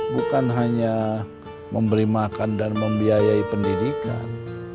bukan hanya memberi makan dan membiayai pendidikan